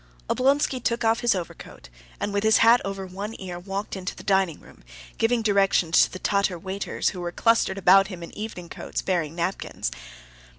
Oblonsky took off his overcoat, and with his hat over one ear walked into the dining room, giving directions to the Tatar waiters, who were clustered about him in evening coats, bearing napkins.